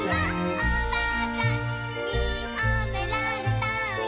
「おばあちゃんにほめられたよ」